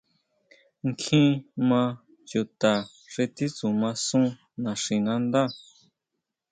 Kjín maa chuta xi titsuma sun naxinándá.